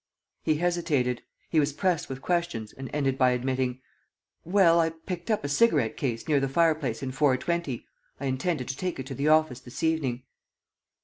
He hesitated. He was pressed with questions and ended by admitting: "Well, I picked up a cigarette case near the fireplace in 420. ... I intended to take it to the office this evening."